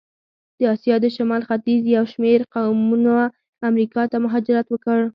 د آسیا د شمال ختیځ یو شمېر قومونه امریکا ته مهاجرت وکړ.